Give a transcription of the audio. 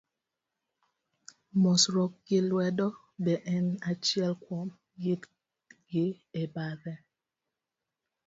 Mosruok gi lwedo be en achiel kuom kitgi e bathe.